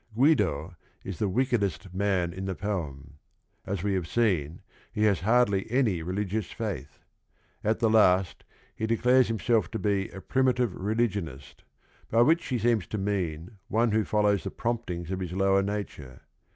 Guido is the wickedest man in the poem. As we have seen, he has hardly any religious faith. At the last he de clares himself to be "a primitive religionist," by which he seems to mean one who follows the promptings of his lower nature.